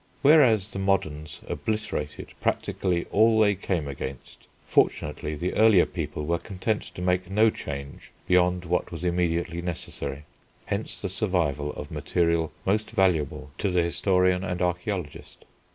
Whereas the moderns obliterated practically all they came against, fortunately the earlier people were content to make no change beyond what was immediately necessary. Hence the survival of material most valuable to the historian and archæologist.